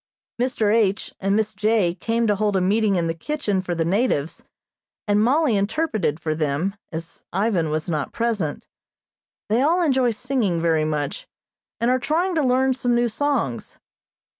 Mr. H. and Miss J. came to hold a meeting in the kitchen for the natives, and Mollie interpreted for them, as Ivan was not present. They all enjoy singing very much, and are trying to learn some new songs.